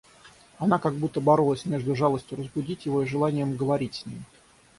Она как будто боролась между жалостью разбудить его и желанием говорить с ним.